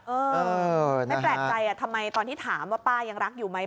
เออไม่แปลกใจทำไมตอนที่ถามว่าป้ายังรักอยู่ไหม